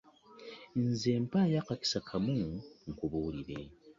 Nze mpaayo akakisa kamu nkubuulire.